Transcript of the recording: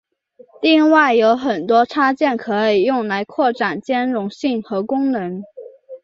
另外有很多插件可以用来扩展兼容性和功能。